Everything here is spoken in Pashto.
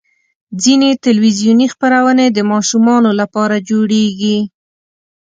ځینې تلویزیوني خپرونې د ماشومانو لپاره جوړېږي.